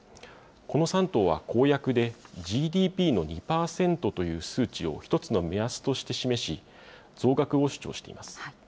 この３党は公約でＧＤＰの２％という数値を１つの目安として示し、増額を主張しています。